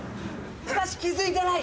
しかし気付いてない！